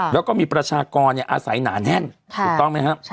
แล้วก็มีประชากรอาศัยหนาแน่นถูกต้องไหมครับ